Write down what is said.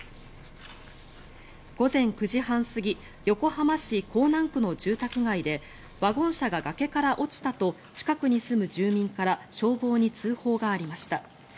午前９時半過ぎ横浜市港南区の住宅街でワゴン車が崖から落ちたと近くに住む住民から消防に通報がありました。